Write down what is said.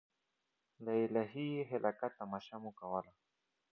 د الهي خلقت تماشه مو کوله.